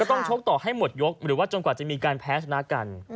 ต้องชกต่อให้หมดยกหรือว่าจนกว่าจะมีการแพ้ชนะกัน